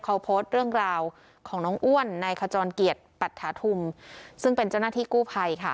เขาโพสต์เรื่องราวของน้องอ้วนในขจรเกียรติปัตถาธุมซึ่งเป็นเจ้าหน้าที่กู้ภัยค่ะ